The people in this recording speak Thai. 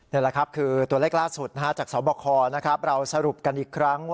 นี่ล่ะตัวเลขล่าสุดจากเสาบรกฮเราสรุปกันอีกครั้ง